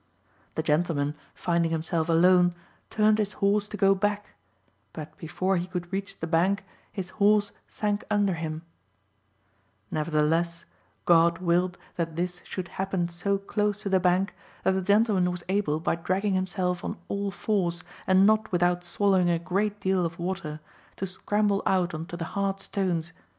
The gentleman, finding himself alone, turned his horse to go back, but before he could reach the bank his horse sank under him. Nevertheless, God willed that this should happen so close to the bank that the gentleman was able, by dragging himself on all fours and not without swallowing a great deal of water, to scramble out on to the hard stones, though he was then so weak and weary that he could not stand upright.